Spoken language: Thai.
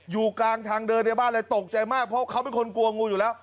อยู่กลางทางเดินในบ้านเลยตกใจมากเพราะเขาเป็นคนกลัวงูอยู่แล้ว